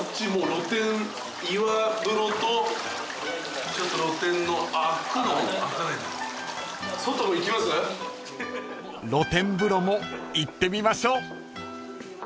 ［露天風呂も行ってみましょう］